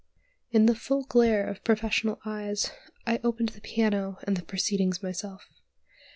In the full glare of professional eyes I opened the piano and the proceedings myself.